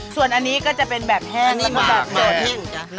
ส่วนอันนี้ก็จะเป็นแบบแห้งแล้วก็แบบแบบสด